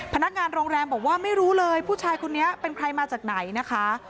พนักงานโรงแรมบอกว่าไม่รู้เลยผู้ชายคนนี้เป็นใครมาจากไหนนะคะ